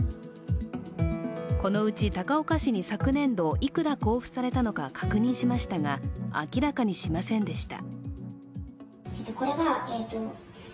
このうち高岡市に昨年度いくら交付されたのか確認しましたが、明らかにしませんでした。